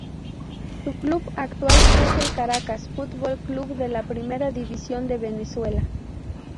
Su club actual es el Caracas Fútbol Club de la Primera División de Venezuela.